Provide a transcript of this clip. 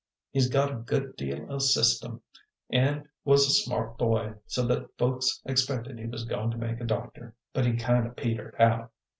He's got a good deal o' system, an' was a smart boy, so that folks expected he was goin' to make a doctor, but he kind o' petered out.